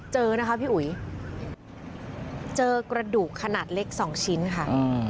เจอนะคะพี่อุ๋ยเจอกระดูกขนาดเล็กสองชิ้นค่ะ